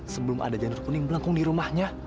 sebelum ada jenderal kuning melengkung di rumahnya